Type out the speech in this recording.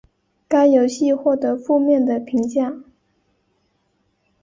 该游戏获得负面的评价。